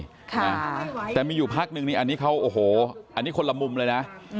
เห็นได้ต่อว่าก็มีแต่มีอยู่พักนึงอันนี้เขาอันนี้คนละมุมเลยนะ